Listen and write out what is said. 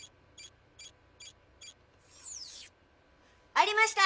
ありました。